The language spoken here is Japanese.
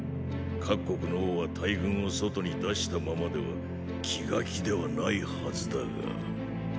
各国の王は大軍を外に出したままでは気が気ではないはずだが。